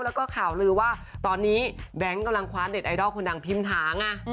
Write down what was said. แล้วก็ข่าวลือว่าตอนนี้แบงค์กำลังคว้าเด็ดไอดอลคนดังพิมพ์ถาไง